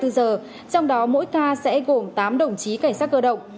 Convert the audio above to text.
trong đó mỗi ca sẽ gồm tám đồng chí cảnh sát cơ động